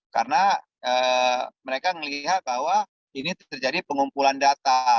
karena mereka melihat bahwa ini terjadi pengumpulan data